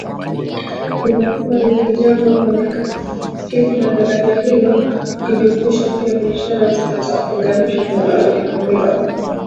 limekuwa likijengwa kwa miaka tisa Daraja hilo ukijumuisha pia barabara zinazolinganisha pamoja lina urefu